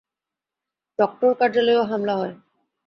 Proctor কার্যালয়েও হামলা হয়।